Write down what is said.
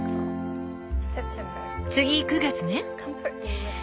次９月ね。